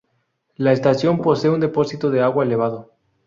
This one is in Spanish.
La estación posee un depósito de agua elevado.